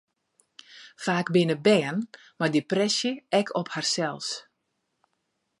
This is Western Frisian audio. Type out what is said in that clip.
Faak binne bern mei depresje ek op harsels.